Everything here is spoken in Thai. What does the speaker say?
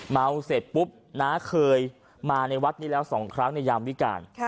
เมาเสร็จปุ๊บน้าเคยมาในวัดนี้แล้ว๒ครั้งในยามวิการ